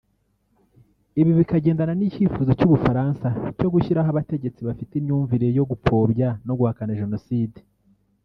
Ibi bikagendana n’icyifuzo cy’u Bufaransa cyo gushyiraho abategetsi bafite imyumvire yo gupfobya no guhakana Jenoside